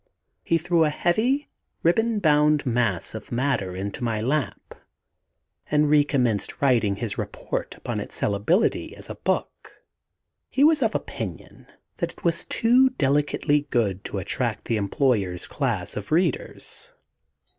He threw a heavy, ribbon bound mass of matter into my lap, and recommenced writing his report upon its saleability as a book. He was of opinion that it was too delicately good to attract his employer's class of readers.